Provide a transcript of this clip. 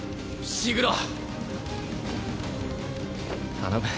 頼む。